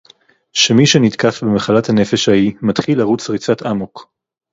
שמי שנתקף במחלת הנפש ההיא מתחיל לרוץ ריצת אמוק